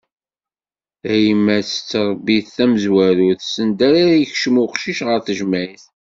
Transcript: Tayemmat tettrebbi d tamezwarut, send ara yakcem uqcic ɣer tejmeɛt.